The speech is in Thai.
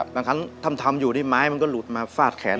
บางครั้งทำอยู่นี่ไม้มันก็หลุดมาฟาดแขน